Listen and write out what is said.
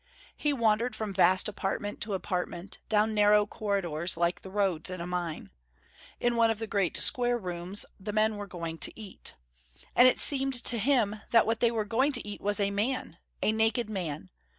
He wandered from vast apartment to apartment, down narrow corridors like the roads in a mine. In one of the great square rooms, the men were going to eat. And it seemed to him that what they were going to eat was a man, naked man.